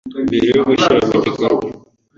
mbere yo gushyira mu bikorwa